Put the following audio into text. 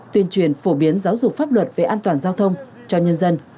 tuyên truyền phổ biến giáo dục pháp luật về an toàn giao thông cho nhân dân